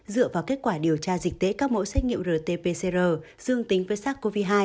dựa vào kết quả điều tra dịch tễ các mẫu xét nghiệm rt pcr dương tính với sars cov hai